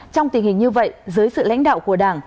trong tình hình như vậy dưới sự lãnh đạo của đảng